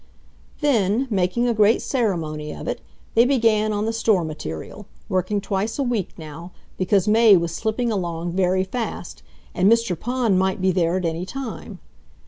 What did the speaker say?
Then, making a great ceremony of it, they began on the store material, working twice a week now, because May was slipping along very fast, and Mr. Pond might be there at any time.